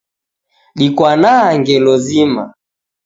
Dikwanaa ngelo zima